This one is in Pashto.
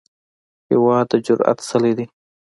هېواد د جرئت څلی دی.